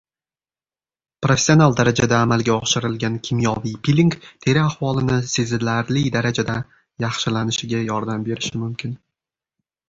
Professional darajada amalga oshirilgan kimyoviy piling, teri ahvolini sezilarli darajada yaxshilanishiga yordam berishi mumkin